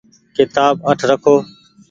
ڪيتآب اٺ رکو ۔